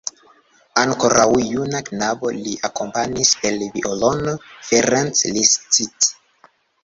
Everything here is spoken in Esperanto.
Ankoraŭ juna knabo, li akompanis per violono Ferenc Liszt.